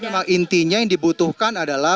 jadi memang intinya yang dibutuhkan adalah